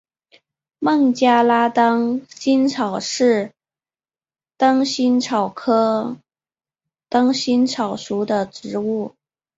孟加拉灯心草是灯心草科灯心草属的植物。